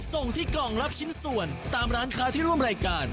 ส่งที่กล่องรับชิ้นส่วนตามร้านค้าที่ร่วมรายการ